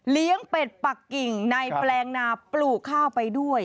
เป็ดปักกิ่งในแปลงนาปลูกข้าวไปด้วย